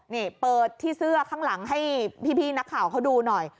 นี่เปิดที่เสื้อข้างหลังให้พี่นักข่าวเขาดูหน่อย